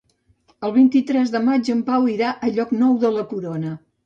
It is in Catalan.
El vint-i-tres de maig en Pau irà a Llocnou de la Corona.